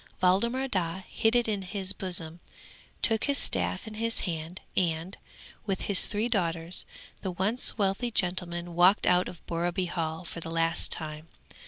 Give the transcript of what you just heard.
Waldemar Daa hid it in his bosom, took his staff in his hand, and, with his three daughters, the once wealthy gentleman walked out of Borreby Hall for the last time.